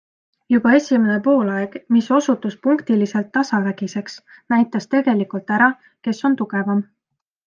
Juba esimene poolaeg, mis osutus punktiliselt tasavägiseks, näitas tegelikult ära, kes on tugevam.